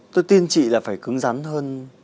tôi tin chị là phải cứng rắn hơn